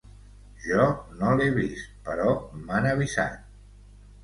Jo no l’he vist però m’han avisat.